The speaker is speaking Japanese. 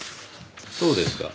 そうですか。